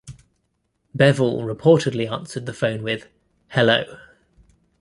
Bevill reportedly answered the phone with "Hello".